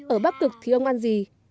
ở bắc cực thì ông ăn gì